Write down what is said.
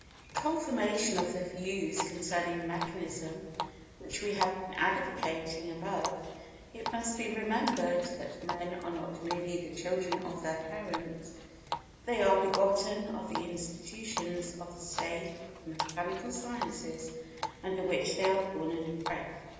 In confirmation of the views concerning mechanism which we have been advocating above, it must be remembered that men are not merely the children of their parents, but they are begotten of the institutions of the state of the mechanical sciences under which they are born and bred.